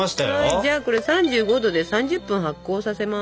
じゃあこれ３５℃で３０分発酵させます。